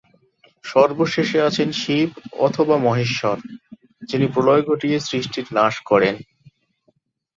সর্বশেষে আছেন শিব অথবা মহেশ্বর, যিনি প্রলয় ঘটিয়ে সৃষ্টির নাশ করেন।